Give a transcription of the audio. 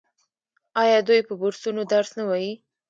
آیا دوی په بورسونو درس نه وايي؟